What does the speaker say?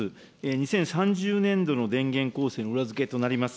２０３０年度の電源構成の裏付けとなります